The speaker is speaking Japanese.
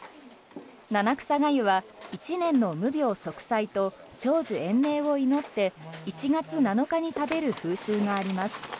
七草がゆは１年の無病息災と長寿延命を祈って１月７日に食べる風習があります。